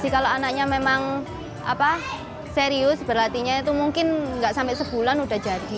kalau anaknya memang serius berlatihnya itu mungkin nggak sampai sebulan udah jadi